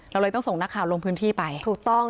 เราเลยต้องส่งนักข่าวลงพื้นที่ไปถูกต้อง